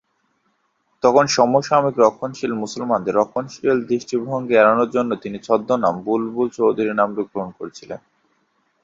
তখন সমসাময়িক রক্ষণশীল মুসলমানদের রক্ষণশীল দৃষ্টিভঙ্গি এড়ানোর জন্য তিনি ছদ্মনাম বুলবুল চৌধুরী নামটি গ্রহণ করেছিলেন।